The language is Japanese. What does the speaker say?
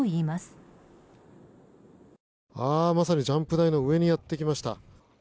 まさにジャンプ台の上にやってきました。